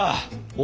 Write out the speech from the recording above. お。